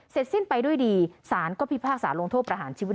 สิ้นไปด้วยดีสารก็พิพากษาลงโทษประหารชีวิต